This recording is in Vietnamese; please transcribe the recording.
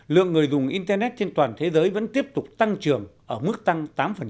lượng người dùng internet trên toàn thế giới vẫn tiếp tục tăng trưởng ở mức tăng tám